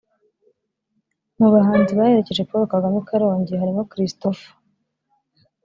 Mu bahanzi baherekeje Paul Kagame i Karongi harimo Christopher